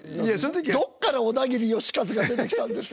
どっからオダギリヨシカズが出てきたんですか？